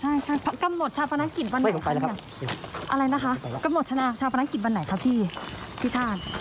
อะไรนะคะก็หมดชาวพนักกิจวันไหนครับท่าน